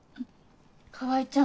川合ちゃん